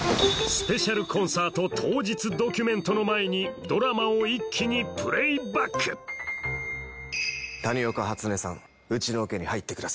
スペシャルコンサート当日ドキュメントの前にドラマを一気にプレイバック谷岡初音さんうちのオケに入ってください。